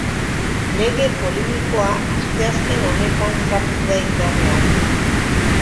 Lege polemikoa asteazken honetan sartu da indarrean.